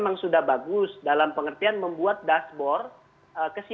jadi daftar anak itu tidak terlalu ter jampu seperti